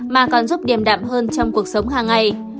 mà còn giúp điểm đạm hơn trong cuộc sống hàng ngày